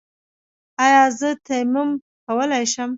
ایا زه تیمم کولی شم؟